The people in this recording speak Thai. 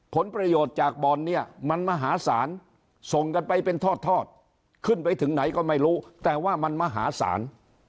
ผลประโยชน์จากบอลเนี่ยมันมหาศาลส่งกันไปเป็นทอดขึ้นไปถึงไหนก็ไม่รู้แต่ว่ามันมหาศาล